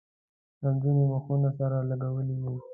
نجونو مخونه سره لگولي وو.